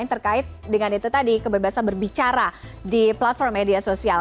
terkait dengan itu tadi kebebasan berbicara di platform media sosial